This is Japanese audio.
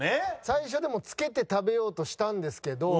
最初でもつけて食べようとしたんですけど